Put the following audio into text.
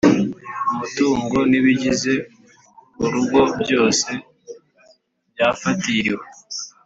umutungo nibigize urugo byose byafatiriwe